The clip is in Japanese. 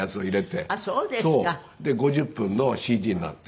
で５０分のＣＤになって。